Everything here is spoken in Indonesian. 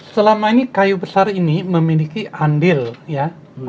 selama ini kayu besar ini memiliki andil ya